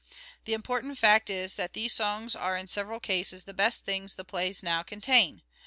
The important fact is that these songs are in several cases the best things the plays now contain.